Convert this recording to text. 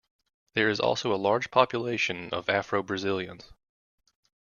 There is also a large population of Afro-Brazilians.